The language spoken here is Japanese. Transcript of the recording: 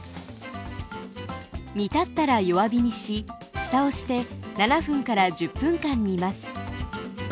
煮立ったら弱火にしふたをして７分から１０分間煮ます。